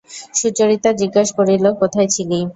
সুচরিতা জিজ্ঞাসা করিল, কোথায় ছিলি?